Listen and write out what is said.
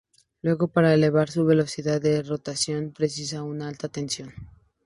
Luego, para elevar su velocidad de rotación, precisa una alta tensión.